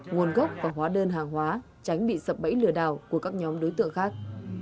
nguồn gốc và hóa đơn hàng hóa tránh bị sập bẫy lừa đảo của các nhóm đối tượng khác